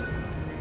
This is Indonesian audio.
untuk bantu ilesa